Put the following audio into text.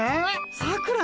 さくら？